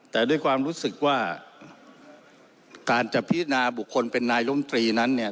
แต่ด้วยความรู้สึกว่าการจะพิจารณาบุคคลเป็นนายลมตรีนั้นเนี่ย